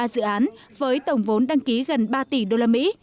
một mươi ba dự án với tổng vốn đăng ký gần ba tỷ usd